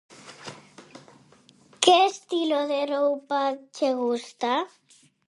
Que estilo de roupa che gusta?